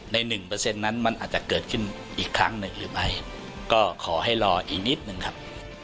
หนึ่งเปอร์เซ็นต์นั้นมันอาจจะเกิดขึ้นอีกครั้งหนึ่งหรือไม่ก็ขอให้รออีกนิดหนึ่งครับ